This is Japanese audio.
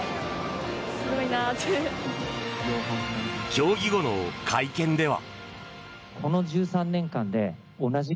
競技後の会見では。